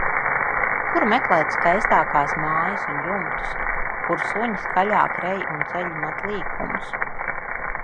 Kur meklēt skaistākās mājas un jumtus. Kur suņi skaļāk rej un ceļi met līkumus.